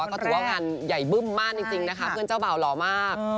ก็ถือว่างานใหญ่บึ้มมากจริงนะคะเพื่อนเจ้าบ่าวหล่อมาก